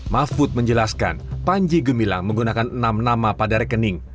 mahfud menjelaskan panji gumilang menggunakan enam nama pada rekening